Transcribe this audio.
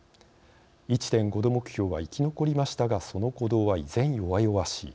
「１．５℃目標は生き残りましたがその鼓動は依然、弱々しい。